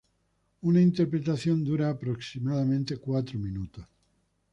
Una interpretación dura aproximadamente cuatro minutos.